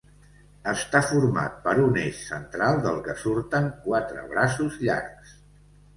Està format per un eix central del que surten quatre braços llargs.